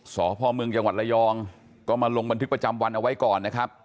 สพเมืองจังหวัดระยองก็มาลงบันทึกประจำวันเอาไว้ก่อนนะครับ